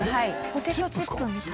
ポテトチップみたい。